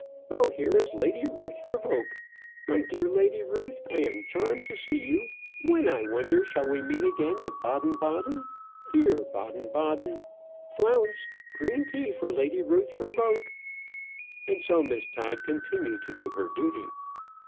Oh, here is Lady Ruth Revoke, my dear Lady Ruth, I am charmed to see you. When, I wonder, shall we meet again at Baden Baden? Dear Baden Baden! Flounce, green tea for Lady Ruth Revoke." And so Miss Todd continued to do her duty.